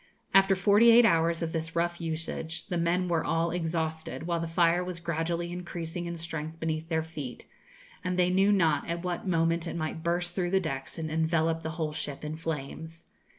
After forty eight hours of this rough usage the men were all exhausted, while the fire was gradually increasing in strength beneath their feet, and they knew not at what moment it might burst through the decks and envelope the whole ship in flames.